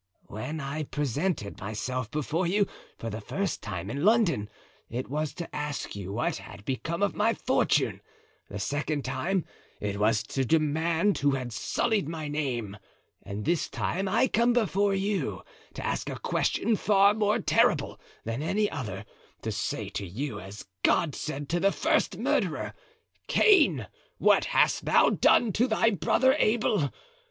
"When I presented myself before you for the first time in London, it was to ask you what had become of my fortune; the second time it was to demand who had sullied my name; and this time I come before you to ask a question far more terrible than any other, to say to you as God said to the first murderer: 'Cain, what hast thou done to thy brother Abel?